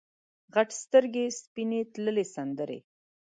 غټ سترګې سپینې تللې سندرې